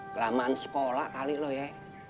kelamaan sekolah kali loh ya